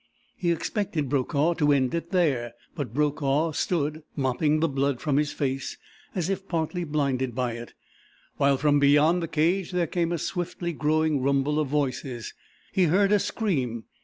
He expected Brokaw to end it there. But Brokaw stood mopping the blood from his face, as if partly blinded by it, while from beyond the cage there came a swiftly growing rumble of voices. He heard a scream.